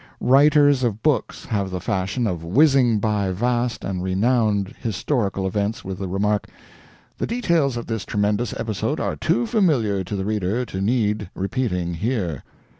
Writers of books have the fashion of whizzing by vast and renowned historical events with the remark, "The details of this tremendous episode are too familiar to the reader to need repeating here."